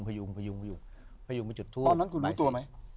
พยุงไปจุดทั่วไปซิตอนนั้นดูรู้ตัวมั้ย